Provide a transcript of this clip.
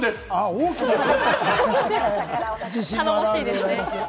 大きな声、自信の表れございます。